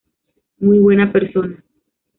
Muy buena Persona